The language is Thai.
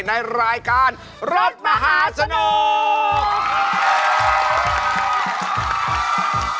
ในรายการรถมหาสนุก